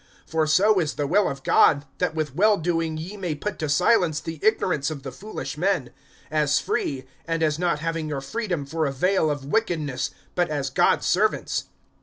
(15)For so is the will of God, that with well doing ye may put to silence the ignorance of the foolish men; (16)as free, and as not having your freedom for a vail of wickedness, but as God's servants.